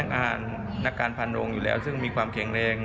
ก็นั่งอาหารนักการพันธุ์โรงอยู่แล้วซึ่งมีความแข็งแรง